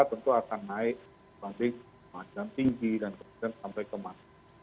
tentu akan naik banding kemajuan tinggi dan kemudian sampai kemasan